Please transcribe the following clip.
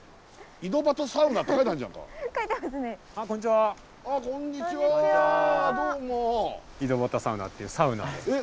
井戸端サウナっていうサウナです。